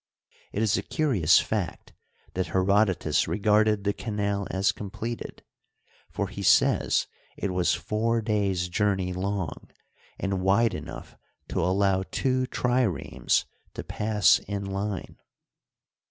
It is a curious fact that Herodotus regarded the canal as completed, for he says it was four days' journey long, and wide enough to allow two triremes to pass in line.